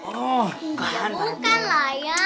oh bukan lah ya